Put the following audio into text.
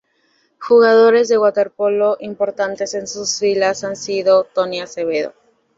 Jugadores de waterpolo importantes en sus filas han sido: Tony Azevedo...